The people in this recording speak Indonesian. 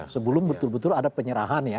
sebelum betul betul ada penyerahan ya